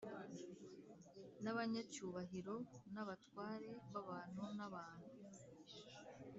n abanyacyubahiro n abatware b abantu n abantu